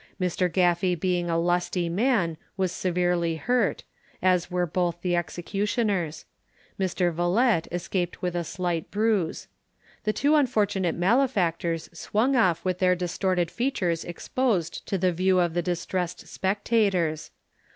Mr. Gaffy being a lusty man was severely hurt, as were both the executioners; Mr Vilette escaped with a slight bruise. The two unfortunate malefactors swung off with their distorted features exposed to the view of the distressed spectators.